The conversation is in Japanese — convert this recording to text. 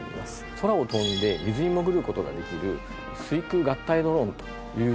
空を飛んで水に潜る事ができる水空合体ドローンというドローンです。